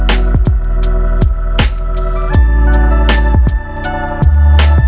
ini just makanya lumayan